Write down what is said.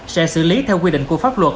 sẽ xử lý theo quy định của pháp luật